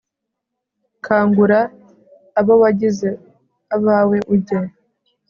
kangura abo wagize abawe, ujye